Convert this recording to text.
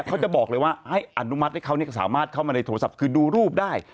เขาจะบอกเลยว่าให้อนุมัติให้เขาสามารถเข้ามาในโทรศัพท์คือดูรูปได้